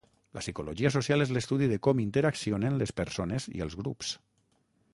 La psicologia social és l'estudi de com interaccionen les persones i els grups.